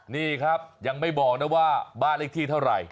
นี่ครับยังไม่บอกนะว่าบ้านเลขที่เท่าไหร่